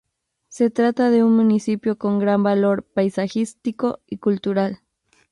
Se trata de un municipio con gran valor paisajístico y cultural.